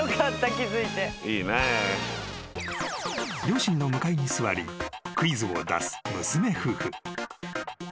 ［両親の向かいに座りクイズを出す娘夫婦］